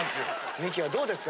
ミキはどうですか？